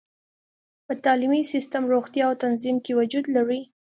په تعلیمي سیستم، روغتیا او تنظیم کې وجود لري.